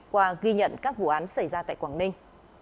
qua ghi nhận các vụ án xảy ra tại quảng ninh